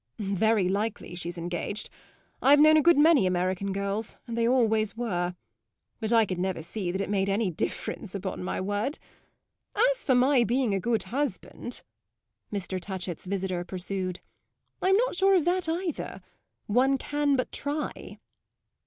"Very likely she's engaged; I've known a good many American girls, and they always were; but I could never see that it made any difference, upon my word! As for my being a good husband," Mr. Touchett's visitor pursued, "I'm not sure of that either. One can but try!"